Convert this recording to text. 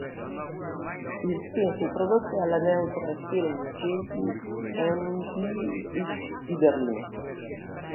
Il film fu prodotto dalla Neutral-Film GmbH di Berlino.